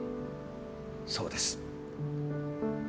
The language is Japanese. そうです。